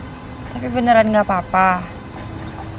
hai tapi beneran enggak papa nanti bella histeris lagi